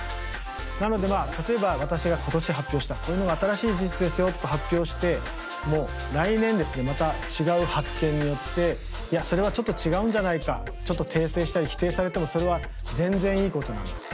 なのでまあ例えば私が今年発表したこういうのが新しい事実ですよと発表しても来年ですねまた違う発見によっていやそれはちょっと違うんじゃないかちょっと訂正したり否定されてもそれは全然いいことなんです。